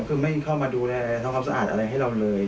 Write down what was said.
ก็คือไม่เข้ามาดูและสะอาดอะไรให้เราเลย